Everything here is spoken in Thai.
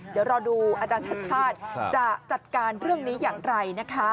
เดี๋ยวรอดูอาจารย์ชาติชาติจะจัดการเรื่องนี้อย่างไรนะคะ